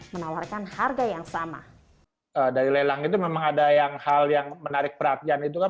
menawarkan harga yang sama dari lelang itu memang ada yang hal yang menarik perhatian itu kan